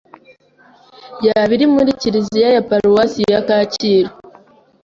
yaba iri muri kiliziya ya Paruwasi ya Kacyiru